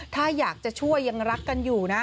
ถ้าอยากจะช่วยยังรักกันอยู่นะ